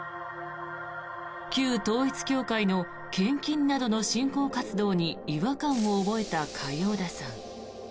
旧統一教会の献金などの信仰活動に違和感を覚えた嘉陽田さん。